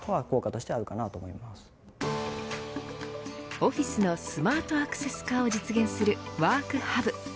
オフィスのスマートアクセス化を実現するｗｏｒｋｈｕｂ。